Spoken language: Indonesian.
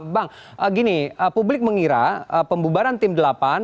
bang gini publik mengira pembubaran tim delapan